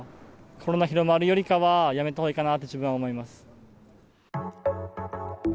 コロナが広まるよりかは、やめたほうがいいかなと自分は思います。